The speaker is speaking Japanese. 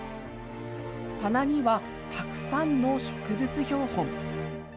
棚にはたくさんの植物標本。